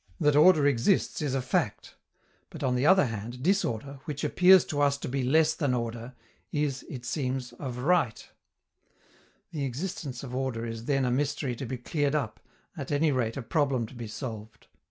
That order exists is a fact. But, on the other hand, disorder, which appears to us to be less than order, is, it seems, of right. The existence of order is then a mystery to be cleared up, at any rate a problem to be solved.